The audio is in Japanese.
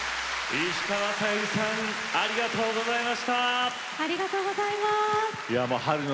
石川さゆりさんありがとうございました。